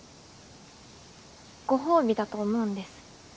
ご褒美だと思うんです